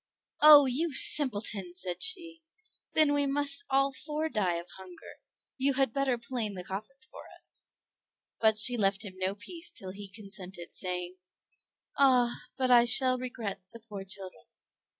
"Oh, you simpleton!" said she, "then we must all four die of hunger; you had better plane the coffins for us." But she left him no peace till he consented saying, "Ah, but I shall regret the poor children."